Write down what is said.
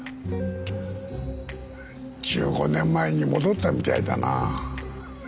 １５年前に戻ったみたいだな。